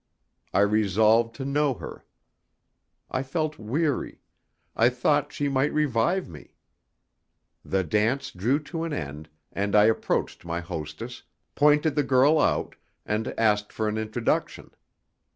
I resolved to know her. I felt weary; I thought she might revive me. The dance drew to an end, and I approached my hostess, pointed the girl out, and asked for an introduction.